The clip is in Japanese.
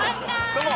どうも！